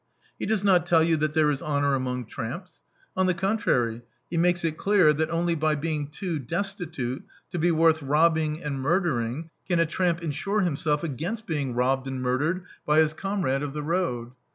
He does not tell you that there is honour among tramps: on the contrary, he makes it clear that only by being too destitute to be worth robbing and murdering can a tramp in [XV] D,i.,.db, Google Preface sure himself against being robbed and murdered by his comrade of the road.